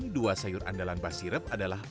dua sayur andalan basirep adalah